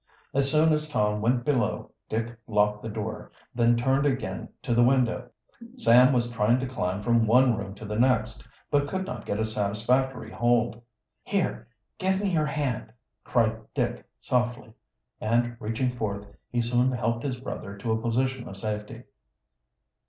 As soon as Tom went below Dick locked the door, then turned again to the window. Sam was trying to climb from one room to the next, but could not get a satisfactory hold. "Here, give me your hand," cried Dick softly, and reaching forth he soon helped his brother to a position of safety.